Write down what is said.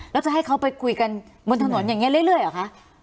แล้วจะให้เขาไปคุยกันบนถนนอย่างนี้เรื่อยเหรอคะ